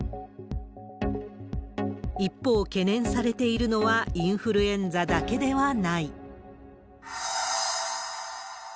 一方、懸念されているのは、インフルエンザだけではない。